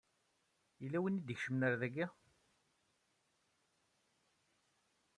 Yella win i d-ikecmen ar daki.